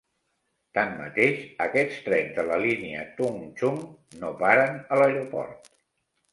Tanmateix, aquests trens de la línia Tung Chung no paren a l'aeroport.